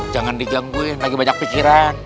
jangan digangguin lagi banyak pikiran